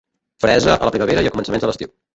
Fresa a la primavera i a començaments de l'estiu.